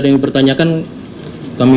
ada yang bertanyakan kami